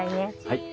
はい。